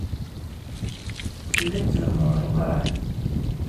Telliḍ tlemmdeḍ Leqran.